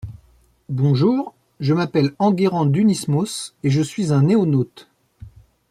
Bonjour, je m’appelle Enguerrand Kunismos, et je suis un NoéNaute.